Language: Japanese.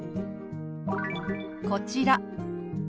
こちら。